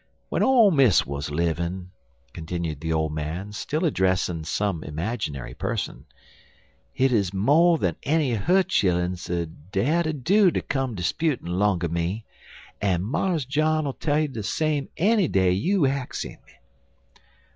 W'en ole Miss wuz livin'," continued the old man, still addressing some imaginary person, 'hit 'uz mo'n enny her chilluns 'ud dast ter do ter come 'sputin' longer me, en Mars John'll tell you de same enny day you ax 'im."